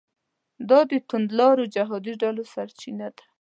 دا د توندلارو جهادي ډلو سرچینه ده.